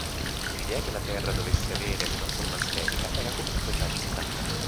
L'idea che la Terra dovesse avere una forma sferica era comunque già accettata.